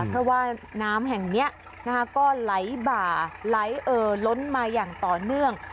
เพราะว่าน้ำแห่งนี้ก็ไหลบ่าไหลเอ่อล้นมาอย่างต่อเนื่อง